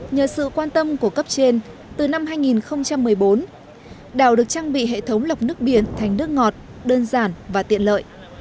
nhờ sự quan tâm của cấp trên từ năm hai nghìn một mươi bốn đảo được trang bị hệ thống lọc nước biển thành nước ngọt đơn giản và tiện lợi